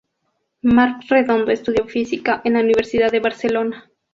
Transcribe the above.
Marc Redondo estudió Física en la Universidad de Barcelona.